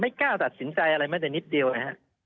กล้าตัดสินใจอะไรแม้แต่นิดเดียวนะฮะ